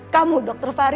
kamu dokter fari